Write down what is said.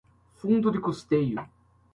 fundo de custeio